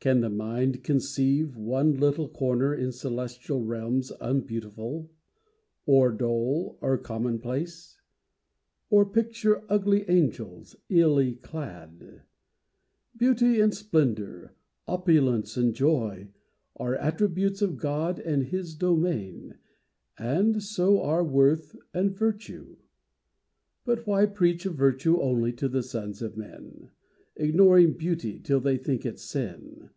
Can the mind conceive One little corner in celestial realms Unbeautiful, or dull or commonplace? Or picture ugly angels, illy clad? Beauty and splendour, opulence and joy, Are attributes of God and His domain, And so are worth and virtue. But why preach Of virtue only to the sons of men, Ignoring beauty, till they think it sin?